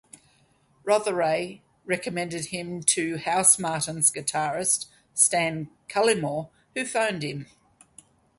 Rotheray recommended him to Housemartins guitarist Stan Cullimore, who phoned him.